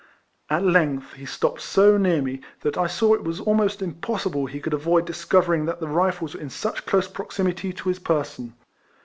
At length he stopped so near me, that I saw it was almost impossible he could avoid discovering that the Rifles were in such close proximity to his person.